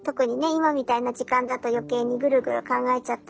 今みたいな時間だと余計にぐるぐる考えちゃったり。